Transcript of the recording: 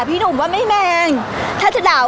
พี่ตอบได้แค่นี้จริงค่ะ